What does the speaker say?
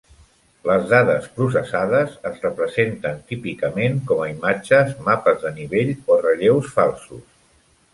Les dades processades es representen típicament com a imatges, mapes de nivell o relleus falsos.